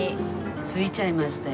着いちゃいましたよ